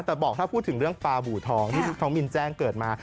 แต่บอกถ้าพูดถึงเรื่องปลาบูทองที่ท้องมินแจ้งเกิดมา